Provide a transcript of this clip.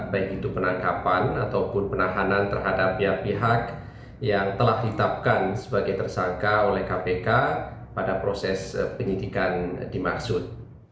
baik itu penangkapan ataupun penahanan terhadap pihak pihak yang telah ditetapkan sebagai tersangka oleh kpk pada proses penyidikan dimaksud